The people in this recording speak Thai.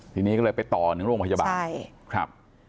ทีนี้ก็เลยไปต่อหนึ่งโรงพยาบาลใช่ครับ